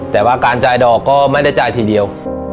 แต่ว่าการจ่ายดอกก็ไม่ได้จ่ายทีเดียว